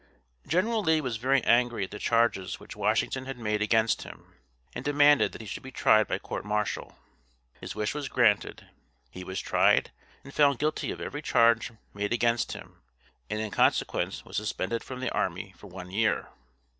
General Lee was very angry at the charges which Washington had made against him, and demanded that he should be tried by court martial. His wish was granted. He was tried, and found guilty of every charge made against him, and in consequence was suspended from the army for one year.